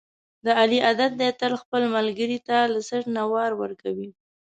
د علي عادت دی، تل خپل ملګري ته له څټ نه وار ورکوي.